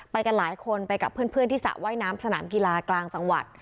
กันหลายคนไปกับเพื่อนที่สระว่ายน้ำสนามกีฬากลางจังหวัด